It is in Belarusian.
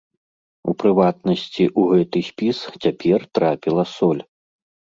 У прыватнасці, у гэты спіс цяпер трапіла соль.